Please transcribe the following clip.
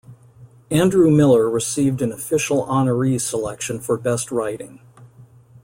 Andrew Miller received an Official Honoree Selection for Best Writing.